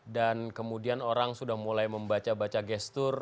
dan kemudian orang sudah mulai membaca baca gestur